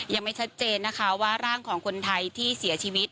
ยังไม่ชัดเจนนะคะว่าร่างของคนไทยที่เสียชีวิต